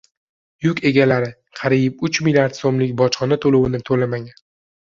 Yuk egalari qariybuchmilliard so‘mlik bojxona to‘lovini to‘lamagan